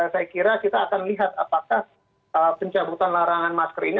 saya kira kita akan lihat apakah pencabutan larangan masker ini